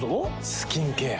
スキンケア。